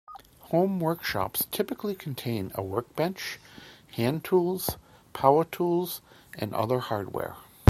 Home workshops typically contain a workbench, hand tools, power tools and other hardware.